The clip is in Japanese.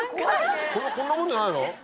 こんなもんじゃないの？